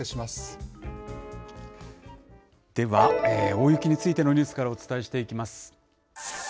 では、大雪についてのニュースからお伝えしていきます。